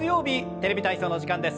「テレビ体操」の時間です。